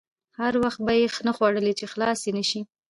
هر وخت به یې نه خوړلې چې خلاصې نه شي.